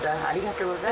ありがとう。